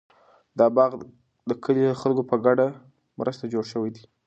دا باغ د کلي د خلکو په ګډه مرسته جوړ شوی دی.